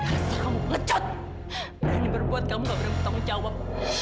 masalah kamu pengecut berani berbuat kamu gak berangkat menjawab